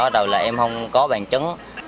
đầu là em không có bản chứng